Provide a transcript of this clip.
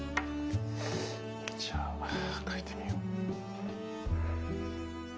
じゃあかいてみよう。